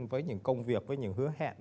với những công việc với những hứa hẹn